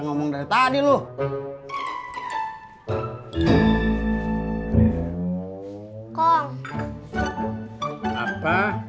engkau enggak ada sibuk enggak